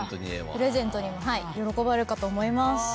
プレゼントにも喜ばれるかと思います。